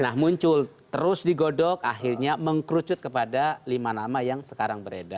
nah muncul terus digodok akhirnya mengkerucut kepada lima nama yang sekarang beredar